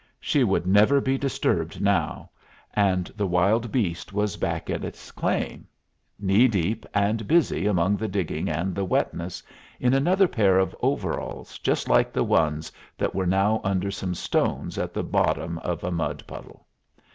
She would never be disturbed now, and the wild beast was back at his claim, knee deep, and busy among the digging and the wetness, in another pair of overalls just like the ones that were now under some stones at the bottom of a mud puddle.